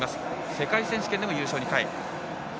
世界選手権でも優勝２回。